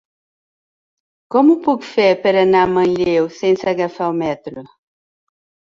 Com ho puc fer per anar a Manlleu sense agafar el metro?